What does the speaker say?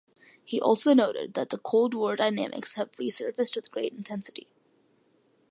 He also noted that the Cold War dynamics have resurfaced with great intensity.